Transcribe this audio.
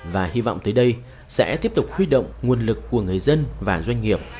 và hy vọng tới đây sẽ tiếp tục huy động nguồn lực của người dân và doanh nghiệp